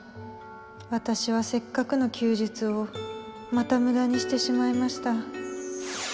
私はせっかくの休日をまた無駄にしてしまいました。